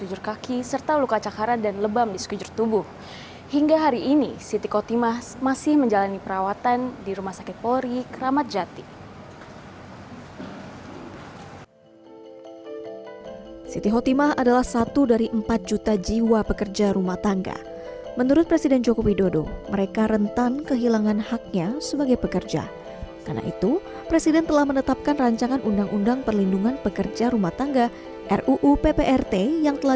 orang tua korban mengatakan tidak menyangka